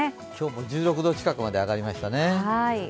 今日も１６度近くまで上がりましたね。